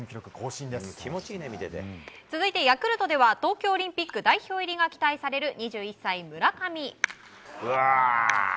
続いて、ヤクルトでは東京オリンピック代表入りが期待される２１歳、村上。